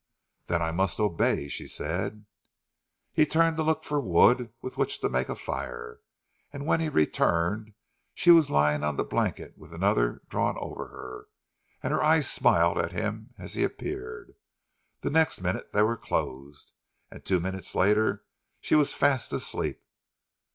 "Then I must obey," she said. He turned to look for wood with which to make a fire, and when he returned she was lying on the blanket with another drawn over her, and her eyes smiled at him as he appeared. The next minute they were closed, and two minutes later she was fast asleep.